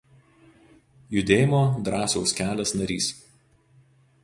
Judėjimo „Drąsiaus kelias“ narys.